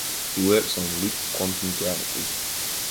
He works on loop quantum gravity.